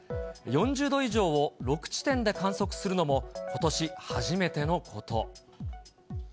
４０度以上を６地点で観測するのも、ことし初めてのこと。